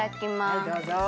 はいどうぞ。